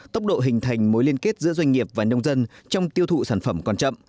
tốc độ hình thành mối liên kết giữa doanh nghiệp và nông dân trong tiêu thụ sản phẩm còn chậm